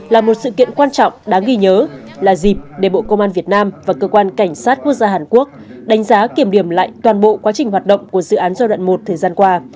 là một sự kiện quan trọng đáng ghi nhớ là dịp để bộ công an việt nam và cơ quan cảnh sát quốc gia hàn quốc đánh giá kiểm điểm lại toàn bộ quá trình hoạt động của dự án giai đoạn một thời gian qua